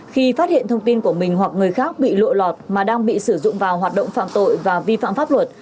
khi phát hiện thông tin của mình hoặc người khác bị lộ lọt mà đang bị sử dụng vào hoạt động phạm tội và vi phạm pháp luật